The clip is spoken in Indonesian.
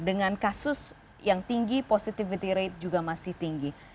dengan kasus yang tinggi positivity rate juga masih tinggi